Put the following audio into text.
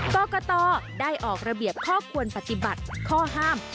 กรกตได้ออกระเบียบข้อควรปฏิบัติข้อห้าม